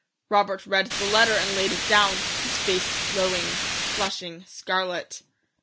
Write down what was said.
Robert read the letter and laid it down, his face slowing flushing scarlet.